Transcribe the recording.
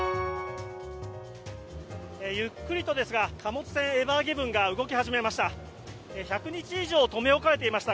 ゆっくりとですが貨物船「エバーギブン」が動き始めました。